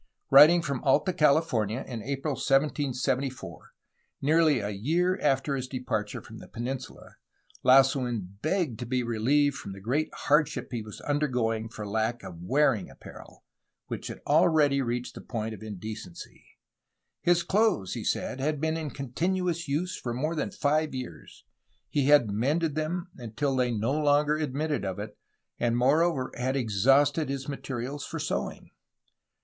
Writing from Alta California in April 1774, nearly a year after his departure from the peninsula, Lasuen begged to be reheved from the great hardship he was undergoing for lack of wear ing apparel, which had already reached the point of inde 368 A HISTORY OF CALIFORNIA cency. His clothes, he said, had been in continuous use for more than five years. He had mended them until they no longer admitted of it, and, moreover, had exhausted his materials for sewing.